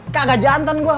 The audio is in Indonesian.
kaga jantan gue